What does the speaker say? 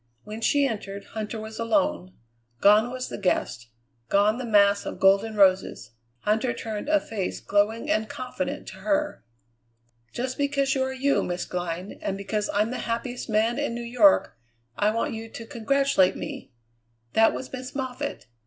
When she entered, Huntter was alone. Gone was the guest; gone the mass of golden roses. Huntter turned a face glowing and confident to her. "Just because you are you, Miss Glynn, and because I'm the happiest man in New York, I want you to congratulate me. That was Miss Moffatt.